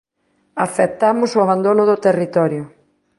Aceptamos o abandono do territorio.